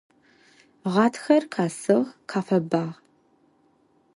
Гъатхэр къэсыгъ, къэфэбагъ.